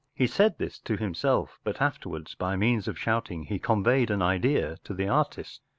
He said this to himself, but afterwards, by means of shouting, he conveyed an idea to the artist.